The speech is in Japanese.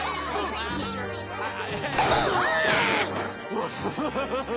アハハハハ！